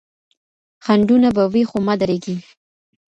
خنډونه به وي خو مه درېږئ.